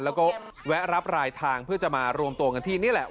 แล้วก็แวะรับรายทางเพื่อจะมารวมตัวกันที่นี่แหละ